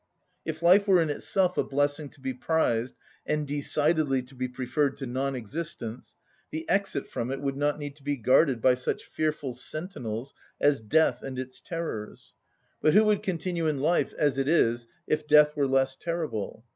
_" If life were in itself a blessing to be prized, and decidedly to be preferred to non‐existence, the exit from it would not need to be guarded by such fearful sentinels as death and its terrors. But who would continue in life as it is if death were less terrible?